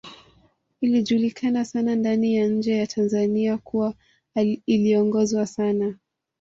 Ilijulikana sana ndani na nje ya Tanzania kuwa iliongozwa sana